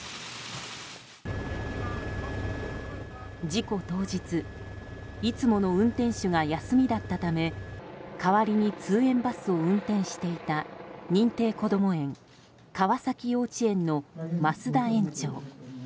事故当日、いつもの運転手が休みだったため代わりに通園バスを運転していた認定こども園川崎幼稚園の増田園長。